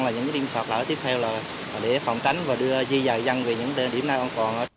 là những điểm sạt lở tiếp theo để phòng tránh và đưa di dạy dân về những điểm an toàn